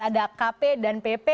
ada kp dan pp